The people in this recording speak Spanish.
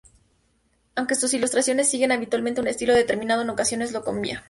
Aunque sus ilustraciones siguen habitualmente un estilo determinado, en ocasiones lo cambia.